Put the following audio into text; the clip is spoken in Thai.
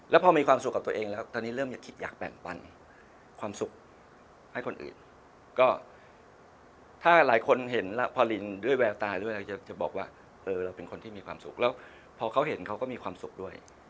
แล้วพอมีความสุขกับตัวเองแล้วตอนนี้เริ่มอยากแบ่งปันความสุขให้คนอื่นก็ถ้าหลายคนเห็นพอลินด้วยแววตาด้วยเราจะบอกว่าเราเป็นคนที่มีความสุขแล้วพอเขาเห็นเขาก็มีความสุขด้วย